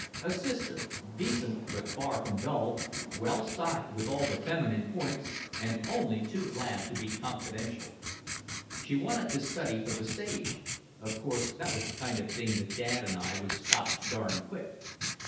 A sister, decent but far from dull, well stocked with all the feminine points and only too glad to be confidential. She wanted to study for the stage! Of course that was the kind of thing that Dad and I would stop darned quick.